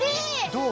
◆どう？